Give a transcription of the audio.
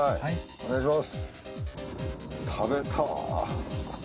お願いします。